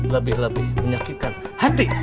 lebih lebih menyakitkan hati teman kita